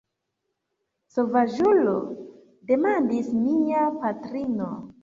Sovaĝulo!? demandis mia patrino.